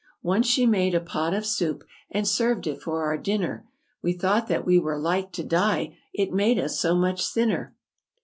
"Once she made a pot of soup And served it for our dinner; We thought that we were like to die, It made us so much thinner."